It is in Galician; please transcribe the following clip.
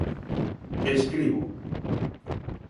Escribo.